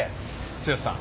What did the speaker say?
剛さん。